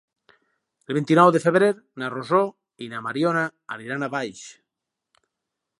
El vint-i-nou de febrer na Rosó i na Mariona aniran a Valls.